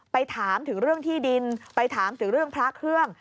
ถามถึงเรื่องที่ดินไปถามถึงเรื่องพระเครื่อง